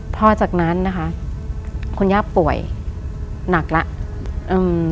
พอจากนั้นนะคะคุณย่าป่วยหนักแล้วอืม